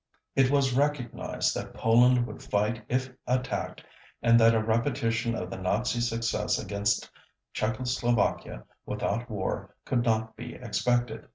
It was recognized that Poland would fight if attacked and that a repetition of the Nazi success against Czechoslovakia without war could not be expected.